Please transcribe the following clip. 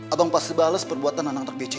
abang pasti bales perbuatan anak anak bc itu